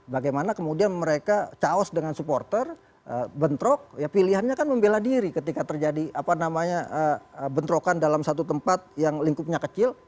bagaimana kemudian mereka caos dengan supporter bentrok ya pilihannya kan membela diri ketika terjadi bentrokan dalam satu tempat yang lingkupnya kecil